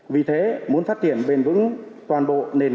vì thế muốn phát triển bền vững toàn bộ nền kinh doanh